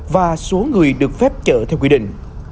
và số người được phép chở theo quy định